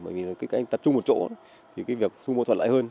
bởi vì cánh tập trung một chỗ thì việc thu mô thuận lại hơn